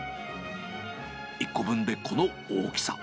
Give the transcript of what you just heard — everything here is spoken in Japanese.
１個分でこの大きさ。